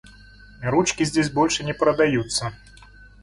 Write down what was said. Ручки здесь больше не продаются.